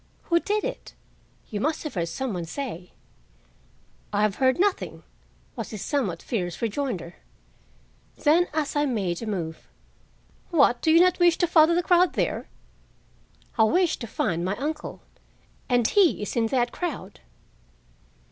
"Who did it? You must have heard some one say." "I have heard nothing," was his somewhat fierce rejoinder. Then, as I made a move, "What you do not wish to follow the crowd there?" "I wish to find my uncle, and he is in that crowd."